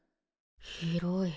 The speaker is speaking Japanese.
広い。